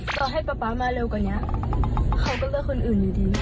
ต่อให้ป๊าป๊ามาเร็วกว่านี้เขาก็เลือกคนอื่นอยู่ดี